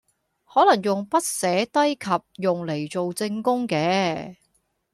可能用筆寫低及用嚟做證供嘅